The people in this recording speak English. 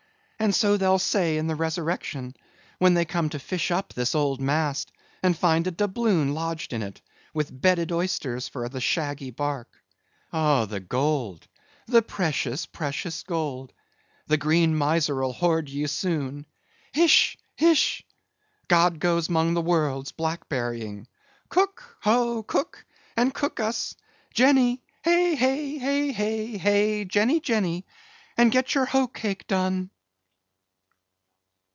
And so they'll say in the resurrection, when they come to fish up this old mast, and find a doubloon lodged in it, with bedded oysters for the shaggy bark. Oh, the gold! the precious, precious, gold! the green miser'll hoard ye soon! Hish! hish! God goes 'mong the worlds blackberrying. Cook! ho, cook! and cook us! Jenny! hey, hey, hey, hey, hey, Jenny, Jenny! and get your hoe cake done!"